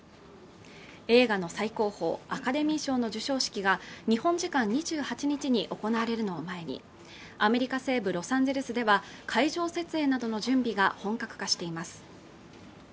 映画の最高峰アカデミー賞の授賞式が日本時間２８日に行われるのを前にアメリカ西部ロサンゼルスでは会場設営などの準備が本格化しています